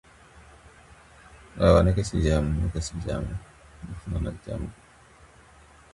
Les abréviations de deux lettres désignant les cantons suisses sont largement utilisées.